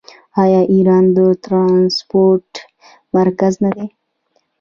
آیا ایران د ټرانسپورټ مرکز نه دی؟